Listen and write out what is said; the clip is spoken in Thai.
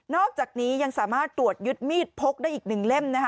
อกจากนี้ยังสามารถตรวจยึดมีดพกได้อีก๑เล่มนะคะ